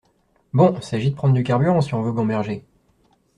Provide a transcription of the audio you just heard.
Bon, s’agit de prendre du carburant, si on veut gamberger.